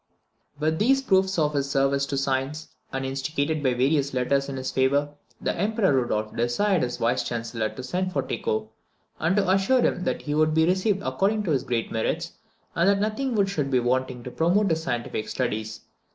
With these proofs of his services to science, and instigated by various letters in his favour, the Emperor Rudolph desired his Vice Chancellor to send for Tycho, and to assure him that he would be received according to his great merits, and that nothing should be wanting to promote his scientific studies.